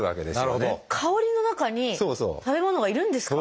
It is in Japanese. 香りの中に食べ物がいるんですか？